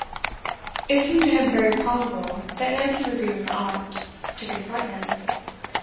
It seemed to him very probable that Nancy would be with her aunt, to confront him.